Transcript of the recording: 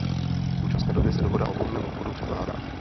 V současné době se dohoda o volném obchodu překládá.